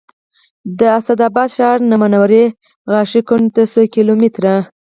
د اسداباد ښار نه منورې غاښي کنډو ته څو کیلو متره